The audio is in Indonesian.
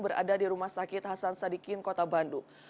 berada di rumah sakit hasan sadikin kota bandung